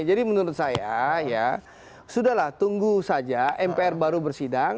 jadi menurut saya sudahlah tunggu saja mpr baru bersidang